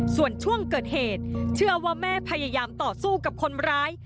ส่วนช่วงเกิดเหตุเชื่อว่าแม่พยายามต่อสู้กับคนร้าย